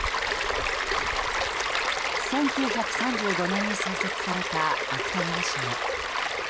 １９３５年に創設された芥川賞。